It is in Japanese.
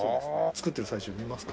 作ってる最中見ますか？